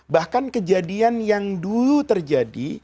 bahkan kejadian yang dulu terjadi